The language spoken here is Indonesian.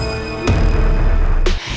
makan yang banyak rena